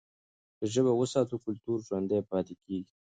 که ژبه وساتو، کلتور ژوندي پاتې کېږي.